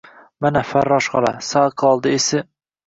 Mana, farrosh xola, sal qoldi esi –